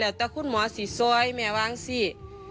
แม่จะมาเรียกร้องอะไร